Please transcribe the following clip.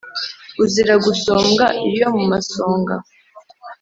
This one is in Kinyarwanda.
uzira gusumbwa iyo mu masonga